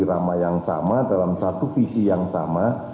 jadi rama yang sama dalam satu visi yang sama